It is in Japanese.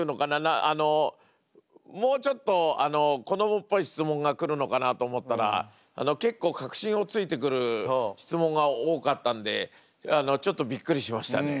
もうちょっと子どもっぽい質問が来るのかなと思ったら結構核心を突いてくる質問が多かったんでちょっとびっくりしましたね。